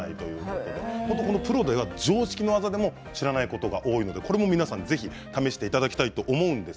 プロでは常識の技でも知らないことが多いこれも皆さん、ぜひ試していただきたいと思います。